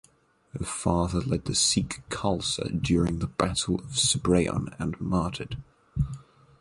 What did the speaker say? Her father lead the Sikh Khalsa during the Battle of Sobraon and martyred.